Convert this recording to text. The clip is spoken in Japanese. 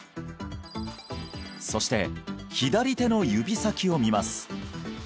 そして左手の指先を見ます